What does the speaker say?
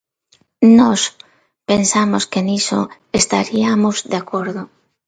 Nós pensamos que niso estariamos de acordo.